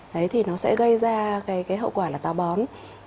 đấy thì nó sẽ gây ra cái hậu quả là tàu bón